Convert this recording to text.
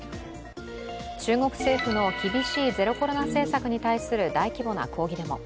中国政府の厳しいゼロコロナ政策に対する大規模な抗議デモ。